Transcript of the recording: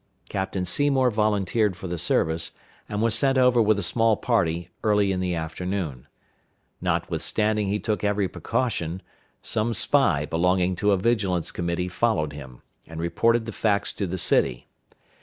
Captain Seymour volunteered for the service, and was sent over with a small party, early in the afternoon. Notwithstanding he took every precaution, some spy belonging to a vigilance committee followed him, and reported the facts in the city.